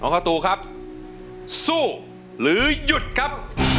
ข้าวตูครับสู้หรือหยุดครับ